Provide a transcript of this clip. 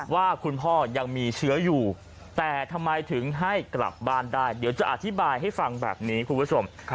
ว่าคุณพ่อยังมีเชื้ออยู่แต่ทำไมถึงให้กลับบ้านได้เดี๋ยวจะอธิบายให้ฟังแบบนี้คุณผู้ชม